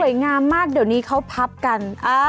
งามมากเดี๋ยวนี้เขาพับกัน